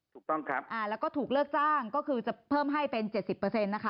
ถูกต้องครับอ่าแล้วก็ถูกเลิกจ้างก็คือจะเพิ่มให้เป็นเจ็ดสิบเปอร์เซ็นต์นะคะ